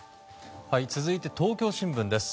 続いて、東京新聞です。